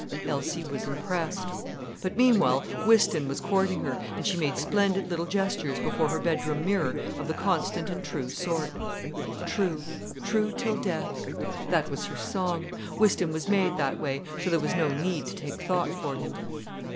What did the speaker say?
Elsie was impressed. But meanwhile Whiston was courting her, and she made splendid little gestures, before her bedroom mirror, of the constant and true sort. "True, true till death——" That was her song. Whiston was made that way, so there was no need to take thought for him.